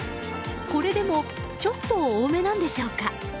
これでもちょっと多めなんでしょうか。